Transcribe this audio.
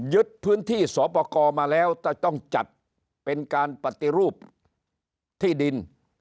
ยึดพื้นที่สอปกรมาแล้วแต่ต้องจัดเป็นการปฏิรูปที่ดิน